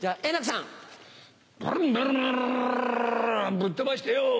ぶっ飛ばしてよ